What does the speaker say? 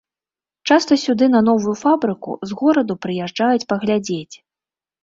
Часта сюды на новую фабрыку з гораду прыязджаюць паглядзець.